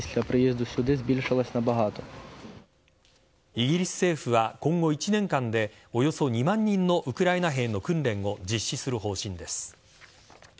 イギリス政府は今後１年間でおよそ２万人のウクライナ兵の訓練を実施する方針です。